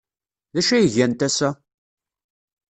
D acu ay gant ass-a?